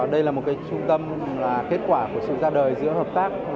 đây là một trung tâm là kết quả của sự ra đời giữa hợp tác